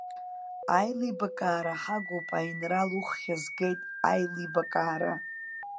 Аилибакаара ҳагуп, аинрал, уххь згеит, аилибакаара!